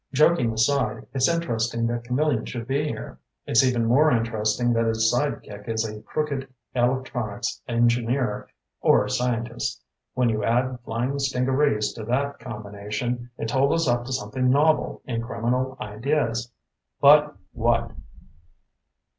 Joking aside, it's interesting that Camillion should be here. It's even more interesting that his sidekick is a crooked electronics engineer or scientist. When you add flying stingarees to that combination, it totals up to something novel in criminal ideas. But what?"